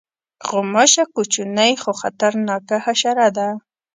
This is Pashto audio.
غوماشه کوچنۍ خو خطرناکه حشره ده.